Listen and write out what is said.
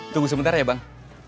tunggu sebentar ya bang